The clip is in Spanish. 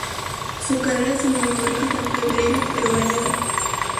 Su carrera cinematográfica fue breve pero variada.